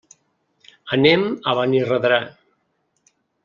Anem a Benirredrà.